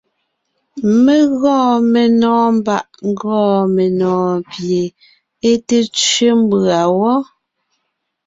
Mé gɔɔn menɔ̀ɔn mbàʼ ńgɔɔn menɔ̀ɔn pie é té tsẅé mbʉ̀a wɔ́.